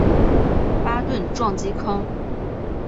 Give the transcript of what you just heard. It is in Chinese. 巴顿撞击坑